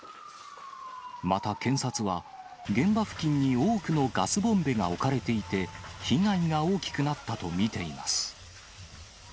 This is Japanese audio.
また検察は、現場付近に多くのガスボンベが置かれていて、被害が大きくなったと見ています。